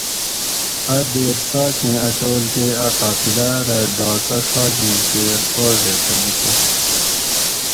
اَ دیر څاۤکیں اَ ٹولگیٔ اَ قافلاۤ رہ ڈاکہۤ ڛا گیں کیر اوڑ ریتہ نیکۤس